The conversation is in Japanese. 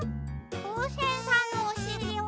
ふうせんさんのおしりは。